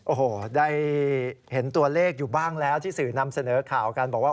โอ้โหได้เห็นตัวเลขอยู่บ้างแล้วที่สื่อนำเสนอข่าวกันบอกว่า